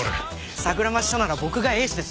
桜町署なら僕がエースです。